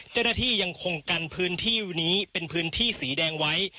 เจ้าหน้าที่ยังคงกันพื้นที่นี้เป็นพื้นที่สีแดงไว้